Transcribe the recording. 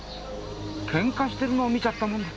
ケンカしてるのを見ちゃったもんで。